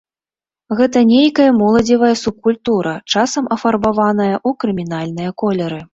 Гэта нейкая моладзевая субкультура, часам афарбаваная ў крымінальныя колеры.